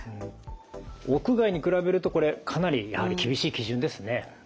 屋外に比べるとこれかなりやはり厳しい基準ですね。